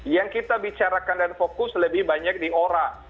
yang kita bicarakan dan fokus lebih banyak di ora